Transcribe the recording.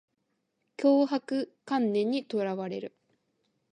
強迫観念にとらわれる